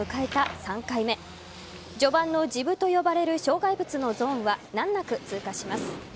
序盤のジブと呼ばれる障害物のゾーンは難なく通過します。